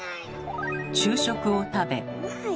昼食を食べ。